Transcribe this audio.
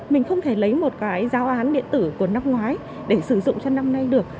mình không thể lấy một cái giao án điện tử của năm ngoái để sử dụng cho năm nay được